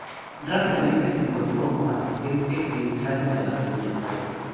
Rápidamente se incorporó como asistente en clases de anatomía.